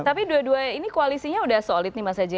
tapi dua duanya ini koalisinya sudah solid nih mas aji